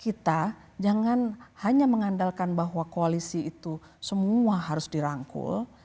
kita jangan hanya mengandalkan bahwa koalisi itu semua harus dirangkul